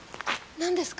何ですか？